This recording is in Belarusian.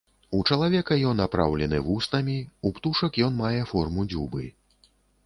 У чалавека ён апраўлены вуснамі, у птушак ён мае форму дзюбы.